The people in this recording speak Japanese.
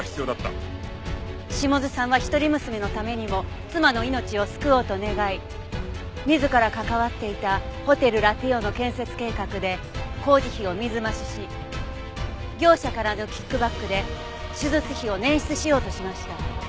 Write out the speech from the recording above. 下津さんは一人娘のためにも妻の命を救おうと願い自ら関わっていたホテルラティオーの建設計画で工事費を水増しし業者からのキックバックで手術費を捻出しようとしました。